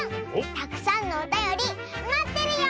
たくさんのおたよりまってるよ！